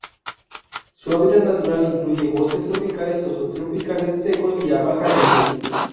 Su hábitat natural incluye bosques tropicales o subtropicales secos y a baja altitud.